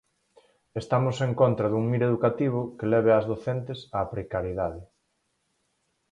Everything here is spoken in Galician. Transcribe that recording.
"Estamos en contra dun mir educativo que leve as docentes á precariedade".